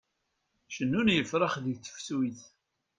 Cennun yefṛax deg tefsut.